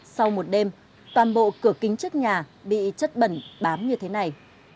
sau một đêm toàn bộ cửa kính trước nhà bị chất bẩn bám như thế này